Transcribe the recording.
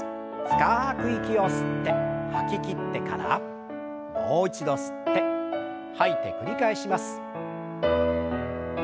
深く息を吸って吐ききってからもう一度吸って吐いて繰り返します。